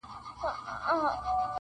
o اوبه په اوبو گډېږي٫